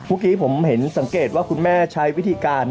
เมื่อกี้ผมเห็นสังเกตว่าคุณแม่ใช้วิธีการ